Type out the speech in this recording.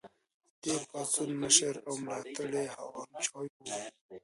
د دې پاڅون مشر او ملاتړی هوانګ چائو و.